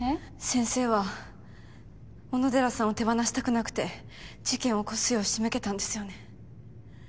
先生は小野寺さんを手放したくなくて事件を起こすよう仕向けたんですよね。